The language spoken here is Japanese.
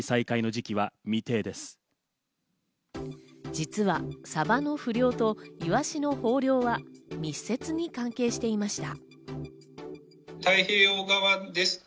実はサバの不漁とイワシの豊漁は密接に関係していました。